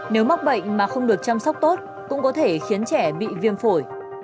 nếu mắc bệnh mà không được chăm sóc tốt cũng có thể khiến trẻ bị viêm phổi